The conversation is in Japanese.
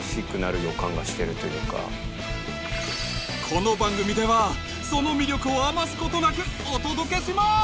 この番組ではその魅力を余すことなくお届けします！